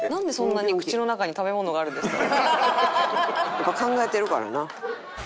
やっぱ考えてるからな。